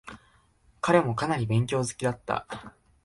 彼もかなりの勉強好きだった。